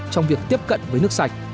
trong việc tiếp cận với nước sạch